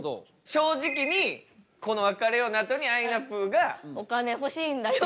正直にこの「別れよう」のあとにあいなぷぅが「お金欲しいんだよ」